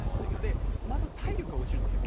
まず体力が落ちるんですよ。